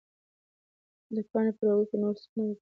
د پاڼې په رګونو کې نور څه نه وو پاتې.